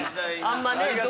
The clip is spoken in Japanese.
あんまりね。